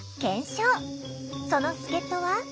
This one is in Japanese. その助っとは。